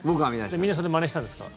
みんなそれでまねしたんですか？